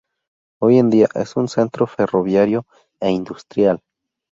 Hoy en día, es un centro ferroviario e industrial.